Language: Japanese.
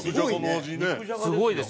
すごいね。